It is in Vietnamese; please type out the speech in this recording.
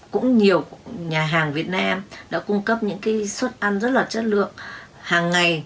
cũng nhiều nhà hàng việt nam đã cung cấp những cái suất ăn rất là chất lượng hàng ngày